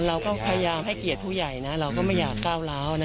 เราก็พยายามให้เกียรติผู้ใหญ่นะเราก็ไม่อยากก้าวร้าวนะ